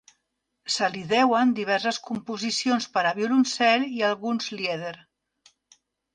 Se li deuen diverses composicions per a violoncel i alguns lieder.